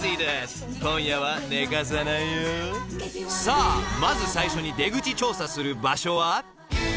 ［さあまず最初に出口調査する場所は］